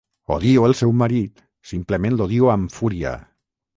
Odio el seu marit; simplement l'odio amb fúria.